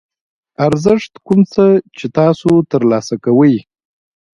ارزښت کوم څه چې تاسو ترلاسه کوئ.